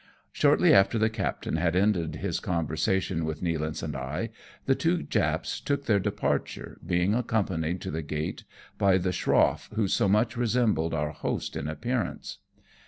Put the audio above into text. Shortly after the captain had ended his conversation with Nealance and I, the two Japs took their departure, being accompanied to the gate by the schrofi" who so much resembled our host in appearance.